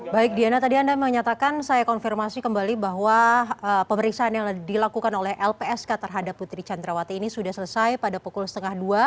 baik diana tadi anda menyatakan saya konfirmasi kembali bahwa pemeriksaan yang dilakukan oleh lpsk terhadap putri candrawati ini sudah selesai pada pukul setengah dua